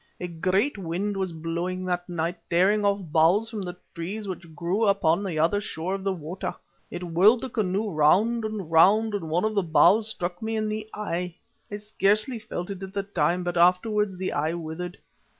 A great wind was blowing that night, tearing off boughs from the trees which grew upon the other shore of the water. It whirled the canoe round and round and one of the boughs struck me in the eye. I scarcely felt it at the time, but afterwards the eye withered.